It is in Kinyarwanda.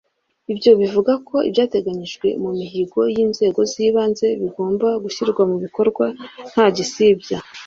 Ibyo bikavuga ko ibyateganyijwe mu mihigo y’inzego z’ibanze bigomba gushyirwa mu bikorwa nta gisibya